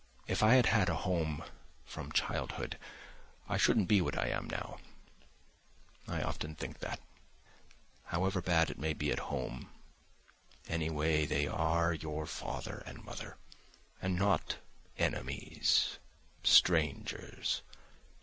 If I had had a home from childhood, I shouldn't be what I am now. I often think that. However bad it may be at home, anyway they are your father and mother, and not enemies, strangers.